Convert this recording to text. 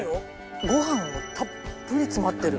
ご飯もたっぷり詰まってる。